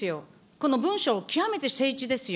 この文書、極めて精緻ですよ。